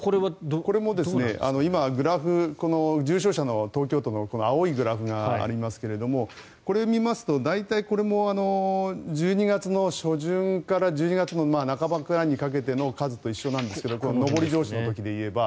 これは今、グラフ重症者の東京都の青いグラフがありますがこれを見ますと大体これも１２月の初旬から１２月の半ばくらいの数にかけてと同じなんですが上り調子の時でいえば。